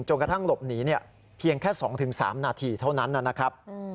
กระทั่งหลบหนีเพียงแค่๒๓นาทีเท่านั้นนะครับ